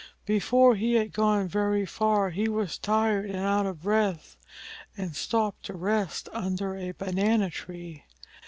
Before he had gone very far he was tired and out of breath, and stopped to rest under a banana tree.